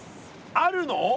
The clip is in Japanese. あるの？